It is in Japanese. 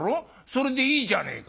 それでいいじゃねえか」。